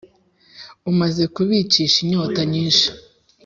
umaze kubicisha inyota nyinshi